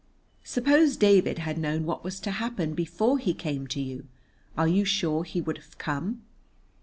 Suppose David had known what was to happen before he came to you, are you sure he would have come?